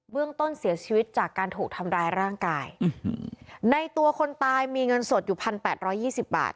เรื่องต้นเสียชีวิตจากการถูกทำร้ายร่างกายในตัวคนตายมีเงินสดอยู่พันแปดร้อยยี่สิบบาท